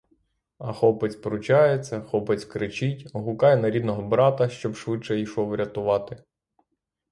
А хлопець пручається, хлопець кричить, гукає на рідного брата, щоб швидше йшов рятувати.